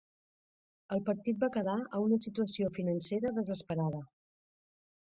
El partit va quedar a una situació financera desesperada.